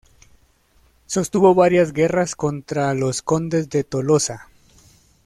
Sostuvo varias guerras contra los condes de Tolosa.